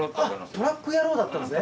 トラック野郎だったんですね。